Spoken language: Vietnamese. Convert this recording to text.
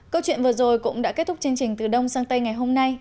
câu chuyện vừa rồi cũng đã kết thúc chương trình từ đông sang tây ngày hôm nay